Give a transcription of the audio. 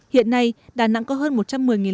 hiện nay đà nẵng có hơn một trăm một mươi người